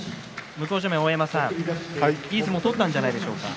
向正面、大山さん、いい相撲を取ったんじゃないですか。